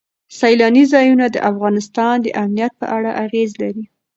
سیلاني ځایونه د افغانستان د امنیت په اړه اغېز لري.